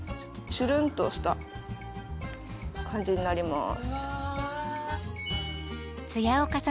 チュルンとした感じになります